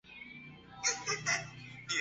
盖以县城居汾水之阳故。